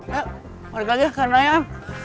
ya mereka deh kan ayam